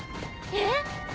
えっ？